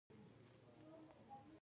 وادي د افغانانو د ژوند طرز اغېزمنوي.